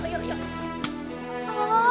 yuk yuk yuk